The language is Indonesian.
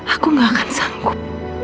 aku gak akan sanggup